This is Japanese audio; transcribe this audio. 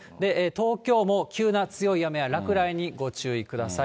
東京も急な強い雨や落雷にご注意ください。